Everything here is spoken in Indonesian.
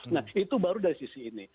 nah itu baru dari sisi ini